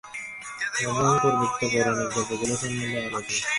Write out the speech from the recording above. এখন পূর্বোক্ত পৌরাণিক গল্পগুলি সম্বন্ধে আবার আলোচনা করা যাক।